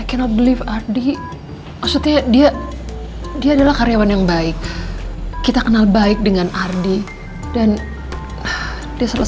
kena beli fadi maksudnya dia dia adalah karyawan yang baik kita kenal baik dengan ardi dan dia salah